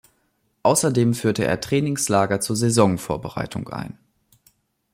Außerdem führte er Trainingslager zur Saisonvorbereitung ein.